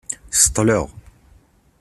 Ṣeṭṭleɣ